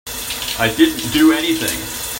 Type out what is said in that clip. I didn't do anything.